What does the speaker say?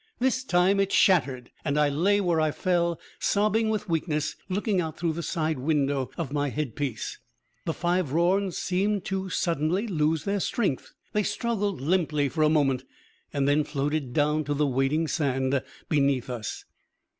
This time it shattered, and I lay where I fell, sobbing with weakness, looking out through the side window of my head piece. The five Rorn seemed to suddenly lose their strength. They struggled limply for a moment, and then floated down to the waiting sand beneath us.